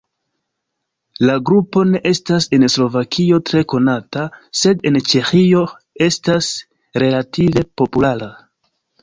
La grupo ne estas en Slovakio tre konata, sed en Ĉeĥio estas relative populara.